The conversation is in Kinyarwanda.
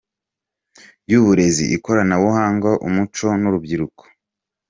y’Uburezi, Ikoranabuhanga, Umuco n’Urubyiruko.